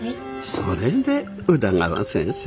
それで宇田川先生